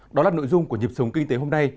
đó là nội dung của nhịp sống kinh tế hôm nay